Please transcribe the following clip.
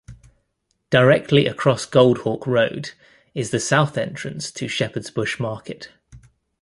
Directly across Goldhawk road is the south entrance to Shepherds Bush Market.